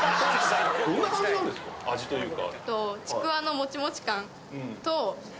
味というか。